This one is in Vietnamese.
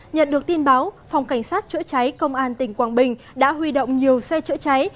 nhận được tin báo phòng cảnh sát chữa cháy công an tỉnh quảng bình đã huy động nhiều xe chữa cháy